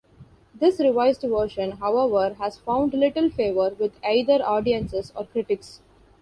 This revised version, however, has found little favor with either audiences or critics.